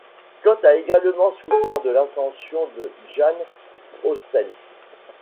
Scott a également souffert de l'ascension de Jane Austen.